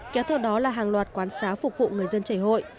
kéo theo đó là hàng loạt quán xá phục vụ người dân chảy hội